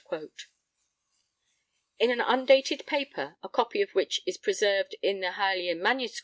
In an undated paper, a copy of which is preserved in the Harleian MSS.